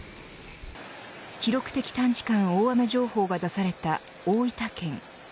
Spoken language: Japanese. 記録的短時間大雨情報が出された大分県。